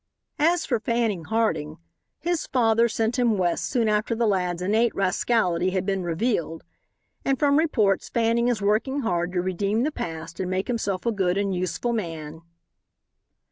As for Fanning Harding, his father sent him West soon after the lad's innate rascality had been revealed, and from reports Fanning is working hard to redeem the past and make himself a good and useful man.